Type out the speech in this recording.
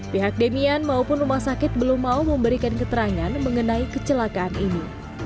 pihak demian maupun rumah sakit belum mau memberikan keterangan mengenai kecelakaan ini